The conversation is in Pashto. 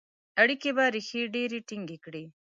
اړیکي به ریښې ډیري ټینګي کړي.